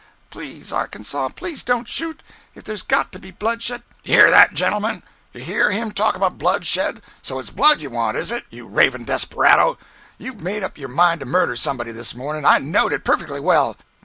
"Please, Arkansas, please don't shoot! If there's got to be bloodshed—" "Do you hear that, gentlemen? Do you hear him talk about bloodshed? So it's blood you want, is it, you ravin' desperado! You'd made up your mind to murder somebody this mornin'—I knowed it perfectly well.